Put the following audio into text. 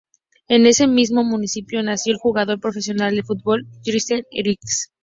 En este mismo municipio nació el jugador profesional de fútbol, Christian Eriksen.￼